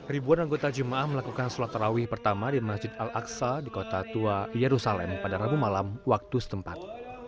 ribuan anggota jemaah melakukan sholat tarawih pertama di masjid al aqsa di kota tua yerusalem pada rabu malam waktu setempat